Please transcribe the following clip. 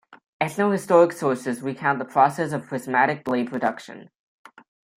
Ethnohistoric sources recount the process of prismatic blade production.